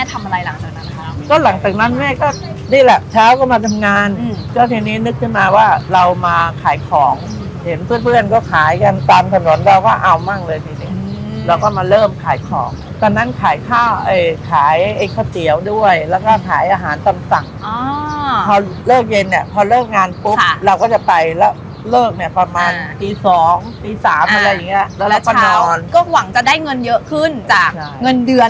ทำอะไรหลังจากนั้นครับก็หลังจากนั้นแม่ก็นี่แหละเช้าก็มาทำงานก็ทีนี้นึกขึ้นมาว่าเรามาขายของเห็นเพื่อนก็ขายกันตามถนนเราก็เอามากเลยทีนี้เราก็มาเริ่มขายของตอนนั้นขายข้าวเอ่ยขายไอ้ข้าวเตี๋ยวด้วยแล้วก็ขายอาหารตำสั่งพอเลิกเย็นเนี่ยพอเลิกงานปุ๊บเราก็จะไปแล้วเลิกเนี่ยประมาณปีสองปีสามอะไรอย่างเงี้ยแล้วเร